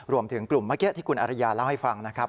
รวมถึงกลุ่มเมื่อกี้ที่คุณอริยาเล่าให้ฟังนะครับ